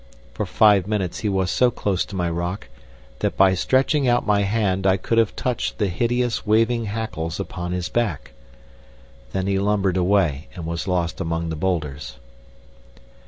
For five minutes he was so close to my rock that by stretching out my hand I could have touched the hideous waving hackles upon his back. Then he lumbered away and was lost among the boulders.